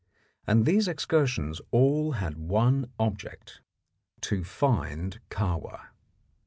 And these excursions all had one object: to find Kahwa.